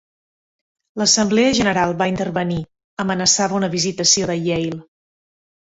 L'Assemblea General va intervenir, amenaçava una "Visitació" de Yale.